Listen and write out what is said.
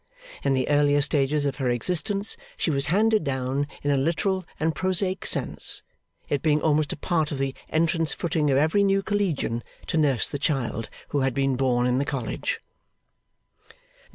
In the earlier stages of her existence, she was handed down in a literal and prosaic sense; it being almost a part of the entrance footing of every new collegian to nurse the child who had been born in the college.